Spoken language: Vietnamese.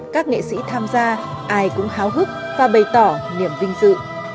các nghệ sĩ tham gia ai cũng háo hức và bày tỏ niềm vinh dự